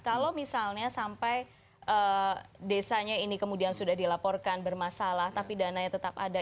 kalau misalnya sampai desanya ini kemudian sudah dilaporkan bermasalah tapi dananya tetap ada